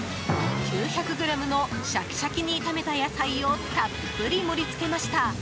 ９００ｇのシャキシャキに炒めた野菜をたっぷり盛り付けました。